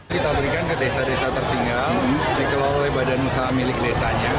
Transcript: kita berikan ke desa desa tertinggal dikelola oleh badan usaha milik desanya